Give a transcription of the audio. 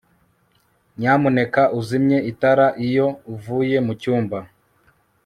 nyamuneka uzimye itara iyo uvuye mucyumba